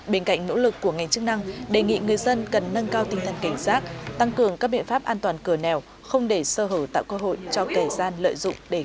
bên cạnh nỗ lực của ngành chức năng đề nghị người dân cần nâng cao tinh thần cảnh sát tăng cường các biện pháp an toàn cửa nèo không để sơ hữu tạo cơ hội cho kẻ gian lợi dụng để gây án